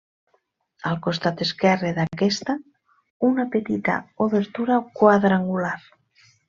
Al costat esquerre d'aquesta, una petita obertura quadrangular.